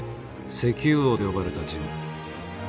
「石油王」と呼ばれた人物。